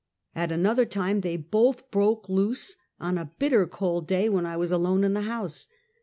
At another time, they both broke loose, on a bitter cold day when I was alone in the house.